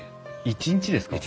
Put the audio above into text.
１日ですか？